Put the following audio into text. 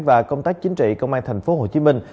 và công tác chính trị công an thành phố hồ chí minh